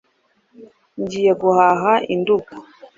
ngiye guhaha i nduga